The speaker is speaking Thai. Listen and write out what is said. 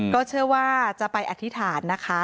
ก็เชื่อว่าจะไปอธิษฐานนะคะ